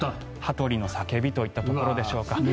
羽鳥の叫びといったところでしょうか。